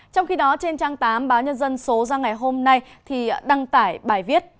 trong khi đó trên trang tám báo nhân dân số ra ngày hôm nay đăng tải bài viết